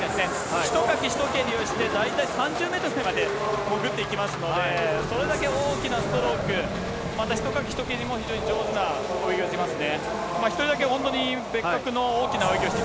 一かき一蹴りをして、大体３０メートルを潜っていきますので、それだけ大きなストローク、また一かき一キレも非常に上手な泳ぎをしますね。